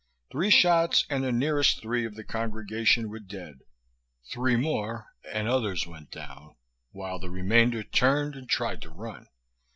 Three shots, and the nearest three of the congregation were dead. Three more, and others went down, while the remainder turned and tried to run.